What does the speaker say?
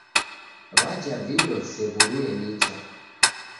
Waja vindo visew'urue nicha